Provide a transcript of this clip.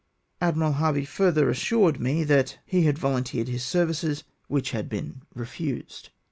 Admiral Harvey further assured me, that " he had volunteered his services, which had been re fused."